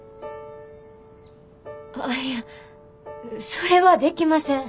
ああいやそれはできません。